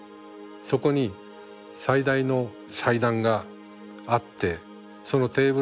そこに最大の祭壇があってそのテーブルでミサが行われる。